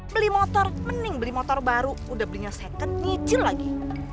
beli motor mending beli motor baru udah belinya second nyicil lagi